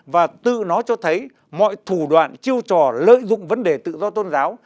và tự nó cho thấy mọi thủ đoạn chiêu trò lợi dụng vấn đề tự do tôn giáo